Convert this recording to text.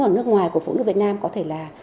ở nước ngoài của phụ nữ việt nam có thể là